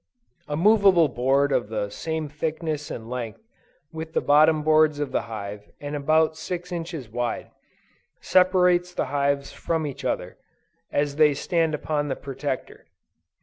A movable board of the same thickness and length with the bottom boards of the hive and about six inches wide, separates the hives from each other, as they stand upon the Protector.